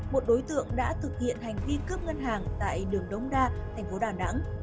một đối tượng đã thực hiện hành vi cướp ngân hàng tại đường đông đa tp đà nẵng